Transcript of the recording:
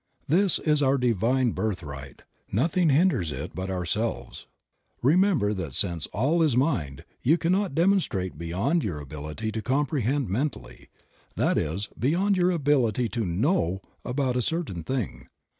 This is our divine birthright, nothing hinders but ourselves. Remember that since all is mind, you cannot demonstrate beyond your ability to comprehend mentally, that is, beyond your ability to know about a certain thing.